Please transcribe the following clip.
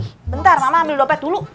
nanti ntar mama ambil dopet dulu